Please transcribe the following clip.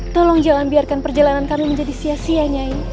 tolong jalan biarkan perjalanan kami menjadi sia sia nyain